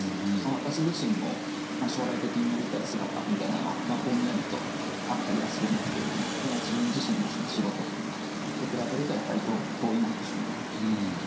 私自身も将来的になりたい姿みたいなのはぼんやりとあったりはするんですけれども今自分自身の仕事とかと比べるとやっぱり遠いなっていうふうに思っていて。